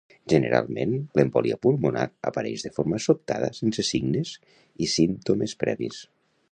Generalment, l'embòlia pulmonar apareix de forma sobtada sense signes i símptomes previs.